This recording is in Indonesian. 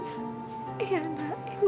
ibu yang makasih